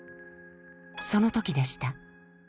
その時でした。